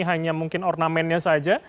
hanya mungkin ornamentnya saja